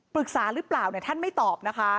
หรือเปล่าท่านไม่ตอบนะคะ